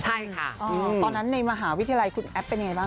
ใช่ค่ะตอนนั้นในมหาวิทยาลัยคุณแอฟเป็นยังไงบ้าง